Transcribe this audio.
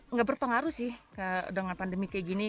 nggak berpengaruh sih dengan pandemi kayak gini